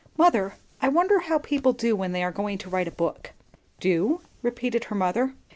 "Mother, I wonder how people do, when they are going to write a book?" "Do?" repeated her mother.